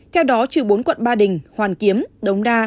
theo đó trừ bốn quận ba đình hoàn kiếm đống đa